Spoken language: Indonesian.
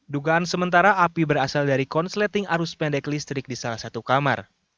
dugaan sementara api berasal dari konsleting arus pendek listrik di salah satu kamar